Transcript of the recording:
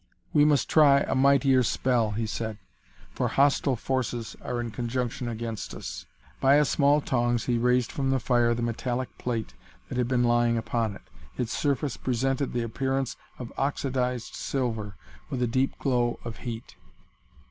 "We must try a mightier spell," he said, "for hostile forces are in conjunction against us." By a small tongs he raised from the fire the metallic plate that had been lying upon it. Its surface presented the appearance of oxidized silver with a deep glow of heat.